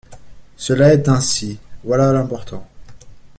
Cela est ainsi, voilà l’important.